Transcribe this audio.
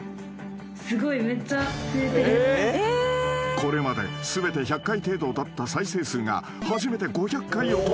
［これまで全て１００回程度だった再生数が初めて５００回を突破］